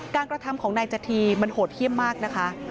กระทำของนายจธีมันโหดเยี่ยมมากนะคะ